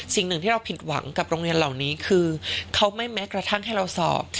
สิ่งหนึ่งที่เราผิดหวังกับโรงเรียนเหล่านี้คือเขาไม่แม้กระทั่งให้เราสอบ